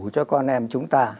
cho con em chúng ta